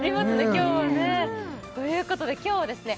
今日はねということで今日はですね